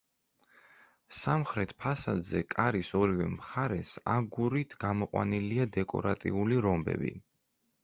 სამხრეთ ფასადზე, კარის ორივე მხარეს, აგურით გამოყვანილია დეკორატიული რომბები.